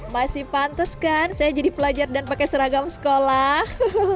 masih pantes kan saya jadi pelajar dan pakai seragam sekolah